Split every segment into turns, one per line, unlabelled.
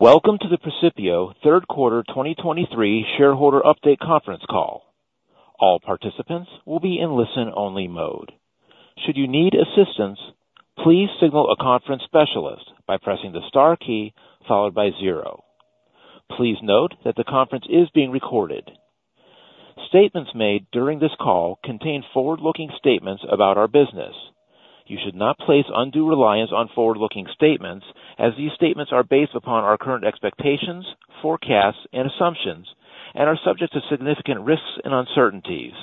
Welcome to the Precipio third quarter 2023 shareholder update conference call. All participants will be in listen-only mode. Should you need assistance, please signal a conference specialist by pressing the star key followed by zero. Please note that the conference is being recorded. Statements made during this call contain forward-looking statements about our business. You should not place undue reliance on forward-looking statements as these statements are based upon our current expectations, forecasts, and assumptions, and are subject to significant risks and uncertainties.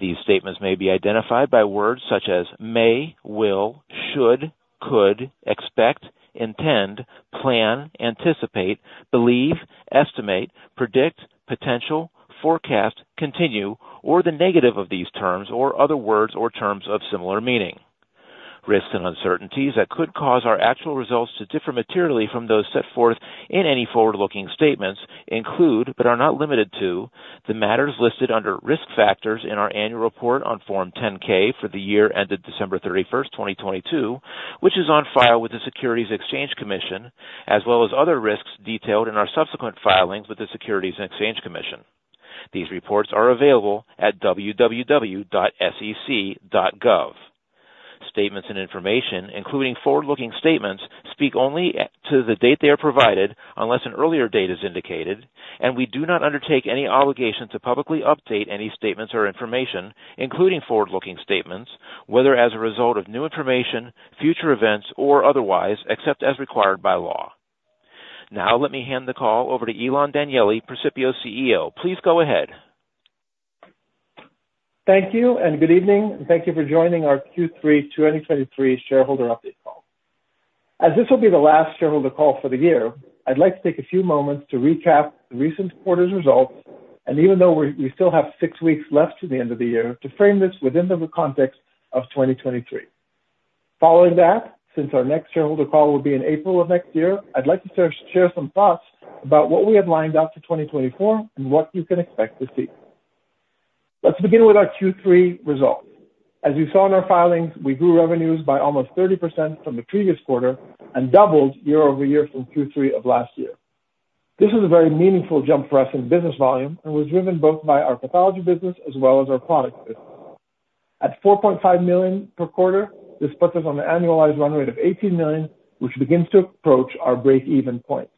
These statements may be identified by words such as may, will, should, could, expect, intend, plan, anticipate, believe, estimate, predict, potential, forecast, continue, or the negative of these terms, or other words or terms of similar meaning. Risks and uncertainties that could cause our actual results to differ materially from those set forth in any forward-looking statements include, but are not limited to, the matters listed under Risk Factors in our Annual Report on Form 10-K for the year ended December 31, 2022, which is on file with the Securities and Exchange Commission, as well as other risks detailed in our subsequent filings with the Securities and Exchange Commission. These reports are available at www.sec.gov. Statements and information, including forward-looking statements, speak only as to the date they are provided, unless an earlier date is indicated, and we do not undertake any obligation to publicly update any statements or information, including forward-looking statements, whether as a result of new information, future events, or otherwise, except as required by law. Now, let me hand the call over to Ilan Danieli, Precipio CEO. Please go ahead.
Thank you and good evening, and thank you for joining our Q3 2023 shareholder update call. As this will be the last shareholder call for the year, I'd like to take a few moments to recap the recent quarter's results, and even though we, we still have six weeks left to the end of the year, to frame this within the context of 2023. Following that, since our next shareholder call will be in April of next year, I'd like to share, share some thoughts about what we have lined up for 2024 and what you can expect to see. Let's begin with our Q3 results. As you saw in our filings, we grew revenues by almost 30% from the previous quarter and doubled year-over-year from Q3 of last year. This is a very meaningful jump for us in business volume and was driven both by our pathology business as well as our product business. At $4.5 million per quarter, this puts us on an annualized run rate of $18 million, which begins to approach our breakeven point.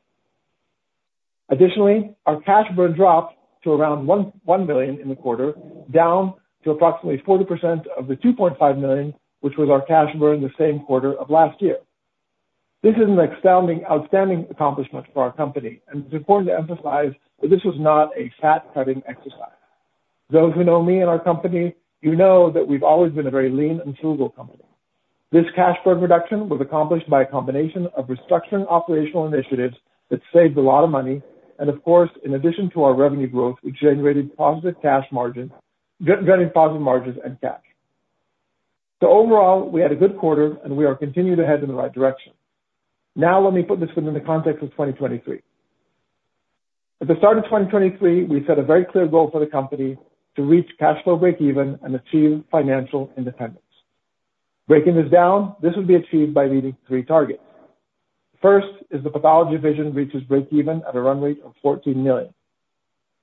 Additionally, our cash burn dropped to around $1 million in the quarter, down to approximately 40% of the $2.5 million, which was our cash burn the same quarter of last year. This is an astounding, outstanding accomplishment for our company, and it's important to emphasize that this was not a fat-cutting exercise. Those who know me and our company, you know that we've always been a very lean and frugal company. This cash burn reduction was accomplished by a combination of restructuring operational initiatives that saved a lot of money, and of course, in addition to our revenue growth, we generated positive cash margin, generating positive margins and cash. So overall, we had a good quarter, and we are continuing to head in the right direction. Now, let me put this within the context of 2023. At the start of 2023, we set a very clear goal for the company to reach cash flow breakeven and achieve financial independence. Breaking this down, this would be achieved by meeting three targets. First, is the pathology division reaches breakeven at a run rate of $14 million.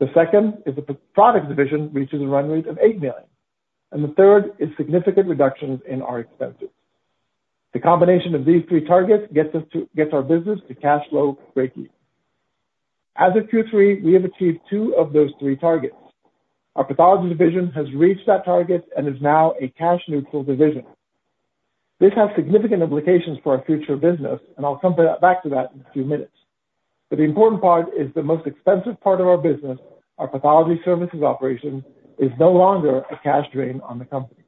The second is the products division reaches a run rate of $8 million. And the third is significant reductions in our expenses. The combination of these three targets gets us to... gets our business to cash flow breakeven. As of Q3, we have achieved two of those three targets. Our pathology division has reached that target and is now a cash-neutral division. This has significant implications for our future business, and I'll come back to that in a few minutes. But the important part is the most expensive part of our business, our pathology services operation, is no longer a cash drain on the company.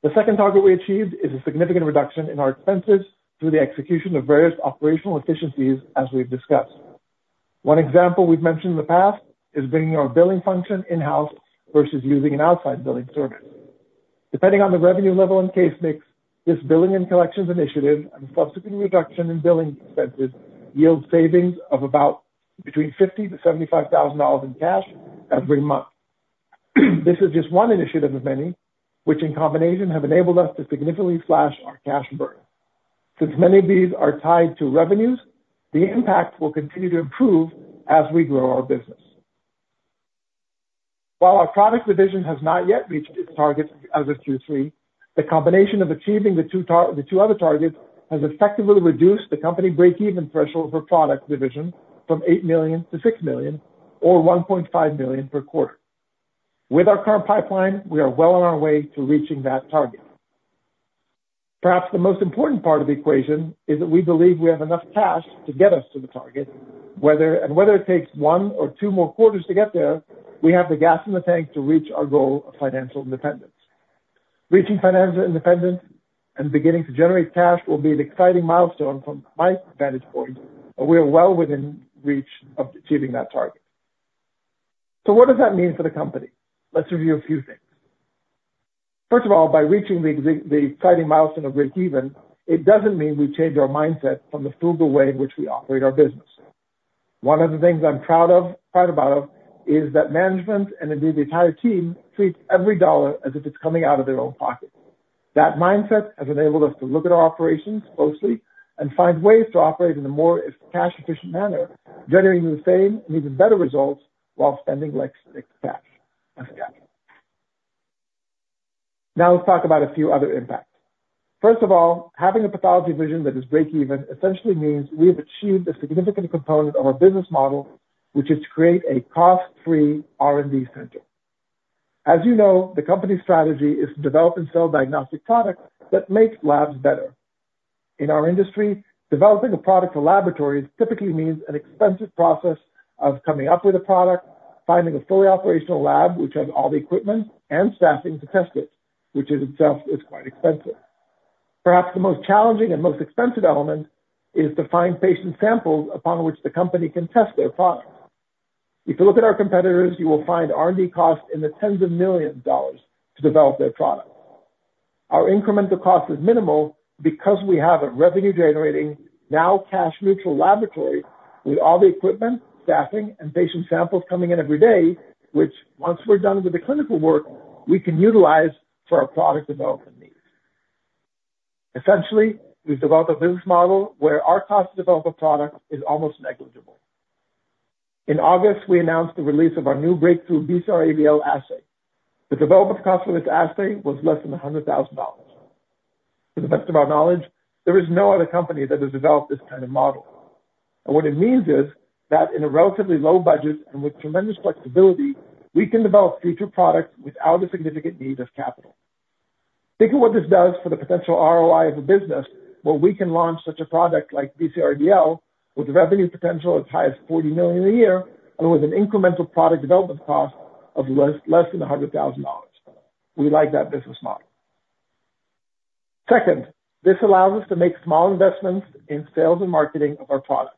The second target we achieved is a significant reduction in our expenses through the execution of various operational efficiencies, as we've discussed. One example we've mentioned in the past is bringing our billing function in-house versus using an outside billing service. Depending on the revenue level and case mix, this billing and collections initiative and subsequent reduction in billing expenses yield savings of about between $50,000-$75,000 in cash every month. This is just one initiative of many, which in combination, have enabled us to significantly slash our cash burn. Since many of these are tied to revenues, the impact will continue to improve as we grow our business. While our product division has not yet reached its targets as of Q3, the combination of achieving the two other targets, has effectively reduced the company breakeven threshold for product division from $8 million to $6 million or $1.5 million per quarter. With our current pipeline, we are well on our way to reaching that target. Perhaps the most important part of the equation is that we believe we have enough cash to get us to the target, whether it takes one or two more quarters to get there, we have the gas in the tank to reach our goal of financial independence. Reaching financial independence and beginning to generate cash will be an exciting milestone from my vantage point, and we are well within reach of achieving that target. So what does that mean for the company? Let's review a few things. First of all, by reaching the exciting milestone of breakeven, it doesn't mean we change our mindset from the frugal way in which we operate our business.... One of the things I'm proud of, proud about, is that management, and indeed the entire team, treats every dollar as if it's coming out of their own pocket. That mindset has enabled us to look at our operations closely and find ways to operate in a more cash efficient manner, generating the same and even better results while spending less cash and capital. Now, let's talk about a few other impacts. First of all, having a Pathology Division that is breakeven, essentially means we have achieved a significant component of our business model, which is to create a cost-free R&D center. As you know, the company's strategy is to develop and sell diagnostic products that make labs better. In our industry, developing a product for laboratories typically means an expensive process of coming up with a product, finding a fully operational lab which has all the equipment and staffing to test it, which in itself is quite expensive. Perhaps the most challenging and most expensive element is to find patient samples upon which the company can test their product. If you look at our competitors, you will find R&D costs in the tens of millions of dollars to develop their product. Our incremental cost is minimal because we have a revenue-generating, now cash-neutral laboratory with all the equipment, staffing, and patient samples coming in every day, which, once we're done with the clinical work, we can utilize for our product development needs. Essentially, we've developed a business model where our cost to develop a product is almost negligible. In August, we announced the release of our new breakthrough BCR-ABL assay. The development cost of this assay was less than $100,000. To the best of our knowledge, there is no other company that has developed this kind of model. And what it means is, that in a relatively low budget and with tremendous flexibility, we can develop future products without a significant need of capital. Think of what this does for the potential ROI of a business, where we can launch such a product like BCR-ABL, with a revenue potential as high as $40 million a year, and with an incremental product development cost of less than $100,000. We like that business model. Second, this allows us to make small investments in sales and marketing of our products.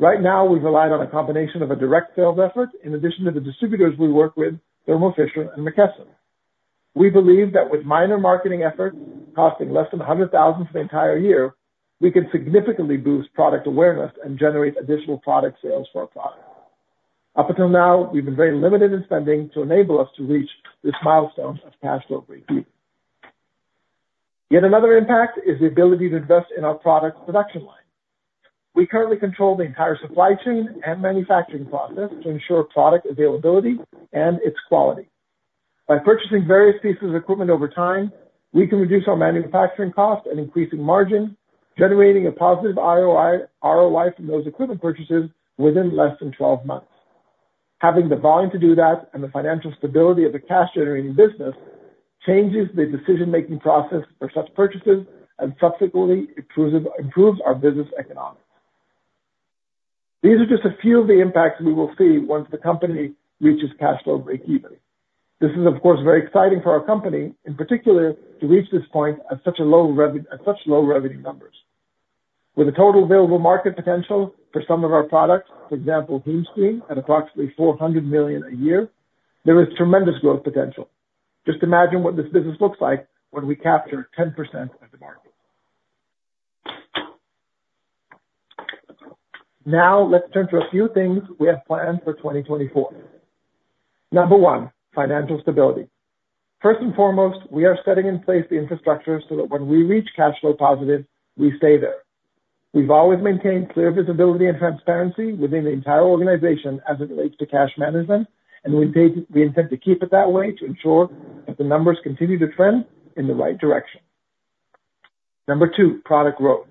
Right now, we've relied on a combination of a direct sales effort, in addition to the distributors we work with, Thermo Fisher and McKesson. We believe that with minor marketing efforts costing less than $100,000 for the entire year, we can significantly boost product awareness and generate additional product sales for our product. Up until now, we've been very limited in spending to enable us to reach this milestone of cash flow breakeven. Yet another impact is the ability to invest in our product production line. We currently control the entire supply chain and manufacturing process to ensure product availability and its quality. By purchasing various pieces of equipment over time, we can reduce our manufacturing costs and increasing margin, generating a positive ROI from those equipment purchases within less than 12 months. Having the volume to do that and the financial stability of a cash-generating business, changes the decision-making process for such purchases and subsequently improves our business economics. These are just a few of the impacts we will see once the company reaches cash flow breakeven. This is, of course, very exciting for our company, in particular, to reach this point at such low revenue numbers. With a total available market potential for some of our products, for example, HemeScreen, at approximately $400 million a year, there is tremendous growth potential. Just imagine what this business looks like when we capture 10% of the market. Now, let's turn to a few things we have planned for 2024. Number one, financial stability. First and foremost, we are setting in place the infrastructure so that when we reach cash flow positive, we stay there. We've always maintained clear visibility and transparency within the entire organization as it relates to cash management, and we intend to keep it that way to ensure that the numbers continue to trend in the right direction. Number two, product growth.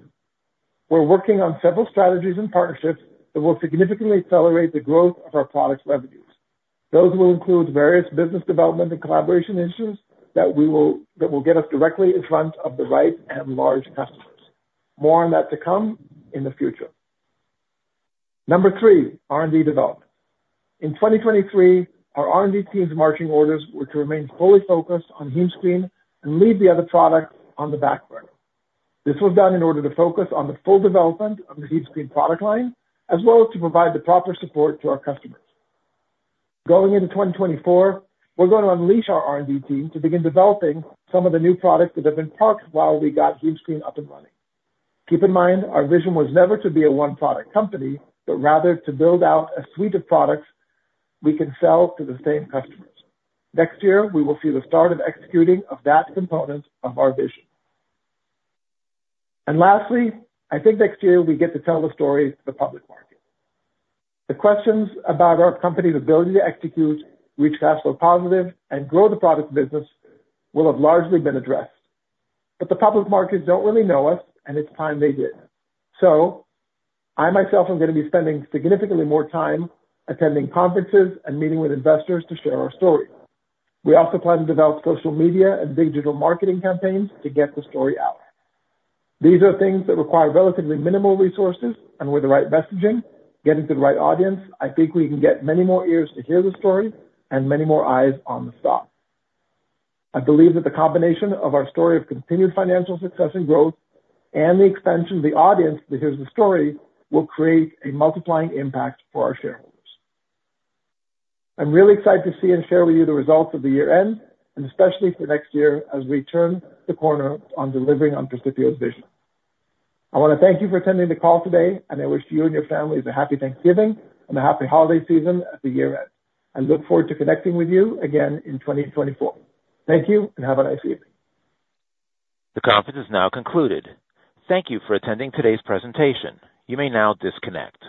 We're working on several strategies and partnerships that will significantly accelerate the growth of our products' revenues. Those will include various business development and collaboration initiatives that will get us directly in front of the right and large customers. More on that to come in the future. Number three, R&D development. In 2023, our R&D team's marching orders were to remain fully focused on HemeScreen and leave the other products on the back burner. This was done in order to focus on the full development of the HemeScreen product line, as well as to provide the proper support to our customers. Going into 2024, we're going to unleash our R&D team to begin developing some of the new products that have been parked while we got HemeScreen up and running. Keep in mind, our vision was never to be a one-product company, but rather to build out a suite of products we can sell to the same customers. Next year, we will see the start of execution of that component of our vision. Lastly, I think next year we get to tell the story to the public market. The questions about our company's ability to execute, reach cash flow positive, and grow the product business will have largely been addressed. But the public markets don't really know us, and it's time they did. I, myself, am gonna be spending significantly more time attending conferences and meeting with investors to share our story. We also plan to develop social media and big digital marketing campaigns to get the story out. These are things that require relatively minimal resources, and with the right messaging, getting to the right audience, I think we can get many more ears to hear the story and many more eyes on the stock. I believe that the combination of our story of continued financial success and growth, and the expansion of the audience that hears the story, will create a multiplying impact for our shareholders. I'm really excited to see and share with you the results of the year-end, and especially for next year, as we turn the corner on delivering on Precipio's vision. I want to thank you for attending the call today, and I wish you and your families a Happy Thanksgiving and a happy holiday season at the year-end. I look forward to connecting with you again in 2024. Thank you and have a nice evening.
The conference is now concluded. Thank you for attending today's presentation. You may now disconnect.